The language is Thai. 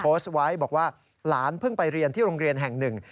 โพสต์ไว้บอกว่าหลานเพิ่งไปเรียนที่โรงเรียนแห่งหนึ่ง